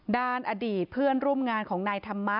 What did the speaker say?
ด้านอดีตเพื่อนร่วมงานของนายธรรมะ